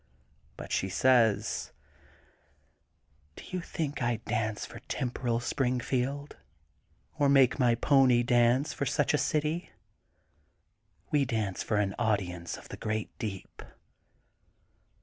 But she says: Do you think I dance for temporal Springfield, or make my pony dance for such a city? We dance for an audience of the great deep.